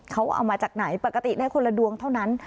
เขาเอามาจากไหนปกติได้คนละดวงเท่านั้น